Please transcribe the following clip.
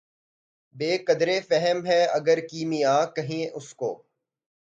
بہ قدرِ فہم ہے اگر کیمیا کہیں اُس کو